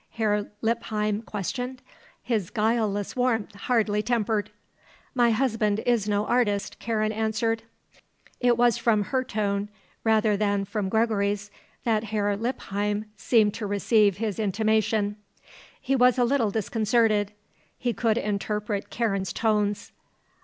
Herr Lippheim questioned, his guileless warmth hardly tempered. "My husband is no artist," Karen answered. It was from her tone rather than from Gregory's that Herr Lippheim seemed to receive his intimation; he was a little disconcerted; he could interpret Karen's tones.